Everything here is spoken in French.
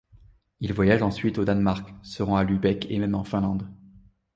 Il voyage ensuite au Danemark, se rend à Lübeck et même en Finlande.